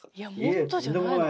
いえとんでもない。